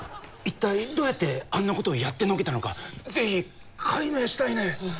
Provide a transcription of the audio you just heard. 一体どうやってあんなことをやってのけたのかぜひ解明したいね。